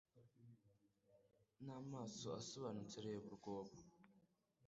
N'amaso asobanutse reba urwobo.